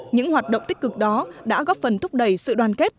những hoạt động tích cực đó đã góp phần thúc đẩy sự đoàn kết